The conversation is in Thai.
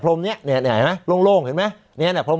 พรมเนี้ยเนี้ยเนี้ยเห็นไหมโล่งเห็นไหมเนี้ยเนี้ยพรม